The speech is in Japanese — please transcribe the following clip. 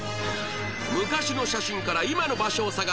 昔の写真から今の場所を探す